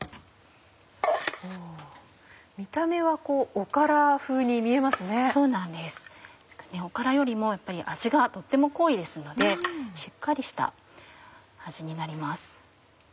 おからよりもやっぱり味がとっても濃いですのでしっかりした味になります。